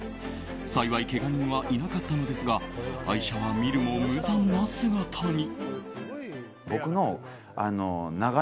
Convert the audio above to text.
幸い、けが人はいなかったのですが愛車は見るも無残な姿に。